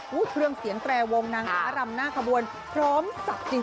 เครื่องเสียงแตรวงนางฟ้ารำหน้าขบวนพร้อมศักดิ์จริง